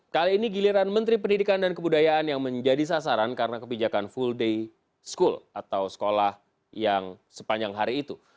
kali ini giliran menteri pendidikan dan kebudayaan yang menjadi sasaran karena kebijakan full day school atau sekolah yang sepanjang hari itu